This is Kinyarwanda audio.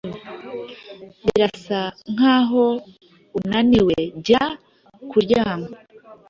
Birasa nkaho unaniwe jya kuryama.